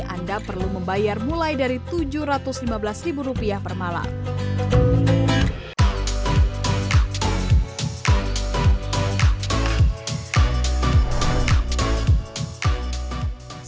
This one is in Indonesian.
anda perlu membayar mulai dari rp tujuh ratus lima belas per malam